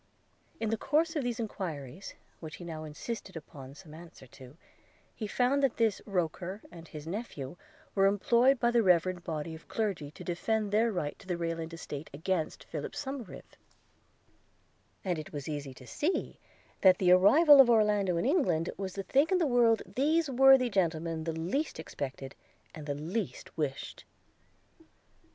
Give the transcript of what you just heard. In the course of these enquiries, which he now insisted upon some answer to, he found that this Roker and his nephew were employed by the reverend body of clergy to defend their right to the Rayland estate against Philip Somerive; and it was easy to see, that the arrival of Orlando in England was the thing in the world these worthy gentlemen the least expected and the least wished.